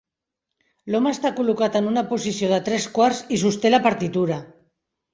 L'home està col·locat en una posició de tres quarts i sosté la partitura.